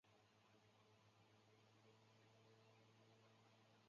它们的爬山能力仅次于羱羊。